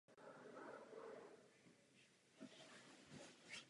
Pancíř leží na hlavním evropském rozvodí.